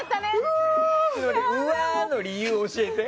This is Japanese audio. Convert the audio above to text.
その理由教えて。